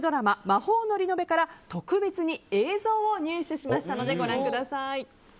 「魔法のリノベ」から特別に映像を入手しましたのでご覧ください。